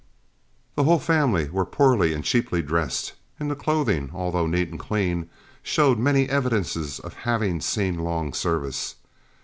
The whole family were poorly and cheaply dressed; and the clothing, although neat and clean, showed many evidences of having seen long service.